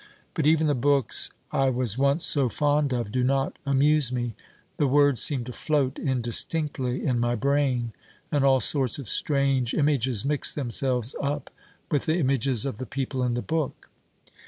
But even the books I was once so fond of do not amuse me. The words seem to float indistinctly in my brain, and all sorts of strange images mix themselves up with the images of the people in the book.